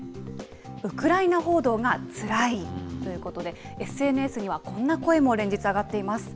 ウクライナ報道がつらいということで、ＳＮＳには、こんな声も連日、上がっています。